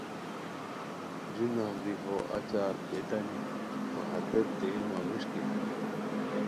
جُو نفری ہو اچہ دیتانی وا ہتیت دے مہ وݰکی ہانی